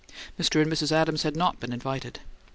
Mr. and Mrs. Adams had not been invited.